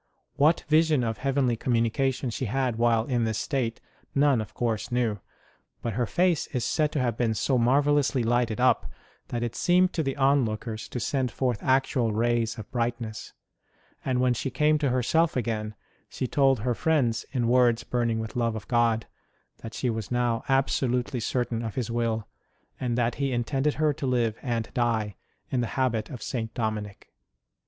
What vision of heavenly communication she had while in this state none, of course, knew; but her face is said to have been so marvellously lighted up that it seemed to the onlookers to send forth actual rays of brightness ; and when she came to herself again she told her friends, in words burning with love of God, that she was now absolutely certain of His will, and that He intended her to live and die in the habit of St. Dominic.